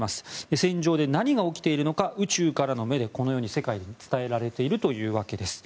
戦場で何が起きているのか宇宙からの目でこのように世界に伝えられているというわけです。